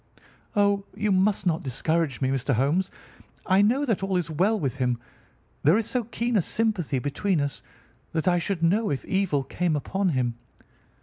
"Oh, you must not discourage me, Mr. Holmes. I know that all is well with him. There is so keen a sympathy between us that I should know if evil came upon him.